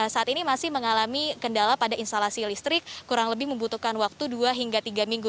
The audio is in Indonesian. saat ini masih mengalami kendala pada instalasi listrik kurang lebih membutuhkan waktu dua hingga tiga minggu